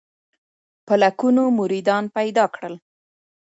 په لکونو مریدان پیدا کړل.